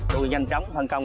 chúng tôi nhanh chóng